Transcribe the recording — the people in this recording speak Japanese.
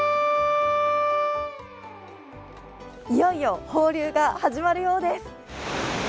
いよいよ放流が始まるようです。